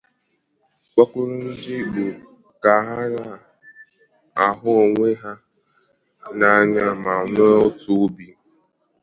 kpọkuru Ndị Igbo ka ha na-ahụ onwe ha n'anya ma nwee otu obi